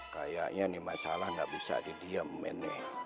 kayaknya nih masalah gak bisa didiem men